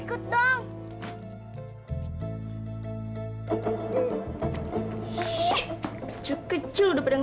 kak aku ikut dong